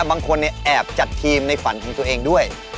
บางคนแอบจัดทีมในฝันของตัวเองด้วย